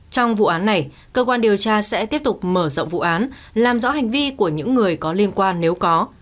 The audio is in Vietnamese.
trong vụ án này cơ quan điều tra sẽ tiếp tục mở rộng vụ án làm rõ hành vi của những người có liên quan nếu có